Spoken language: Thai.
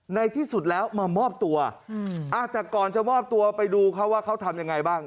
ในที่สุดแล้วมามอบตัวแต่ก่อนจะมอบตัวไปดูเขาว่าเขาทำยังไงบ้าง